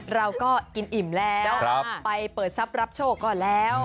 เราก็กินอิ่มแล้วไปเปิดทรัพย์รับโชคก่อนแล้ว